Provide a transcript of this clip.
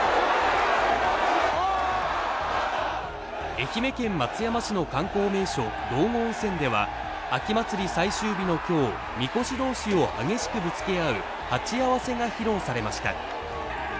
愛媛県松山市の観光名所、道後温泉では秋祭り最終日の今日、神輿同士を激しくぶつけ合う鉢合わせが披露されました。